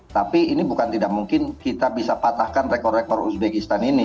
tapi ini bukan tidak mungkin kita bisa patahkan rekor rekor uzbekistan ini